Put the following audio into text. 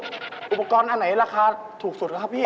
แล้วสรุปอุปกรณ์อันไหนราคาถูกสุดครับพี่